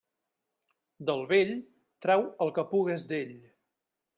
Del vell, trau el que pugues d'ell.